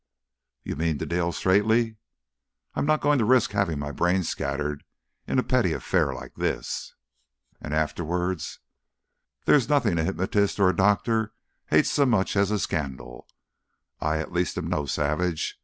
"You mean to deal straightly." "I'm not going to risk having my brains scattered in a petty affair like this." "And afterwards?" "There is nothing a hypnotist or doctor hates so much as a scandal. I at least am no savage.